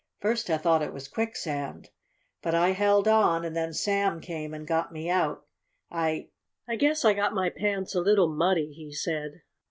First I thought it was quicksand. But I held on and then Sam came and got me out. I I guess I got my pants a little muddy," he said.